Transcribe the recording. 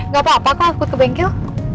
gak apa apa kok ke bengkel